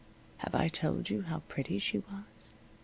Have I told you how pretty she was?